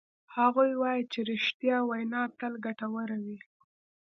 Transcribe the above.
هغوی وایي چې ریښتیا وینا تل ګټوره وی